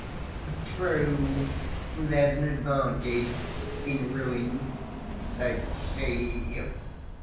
— "True. There's an advantage in ruin," said she.